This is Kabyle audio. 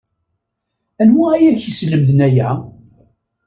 Anwa ay ak-yeslemden aya?